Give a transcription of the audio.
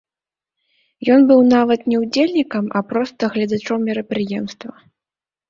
Ён быў нават не удзельнікам, а проста гледачом мерапрыемства.